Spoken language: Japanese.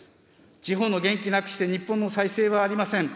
地方の元気なくして日本の再生はありません。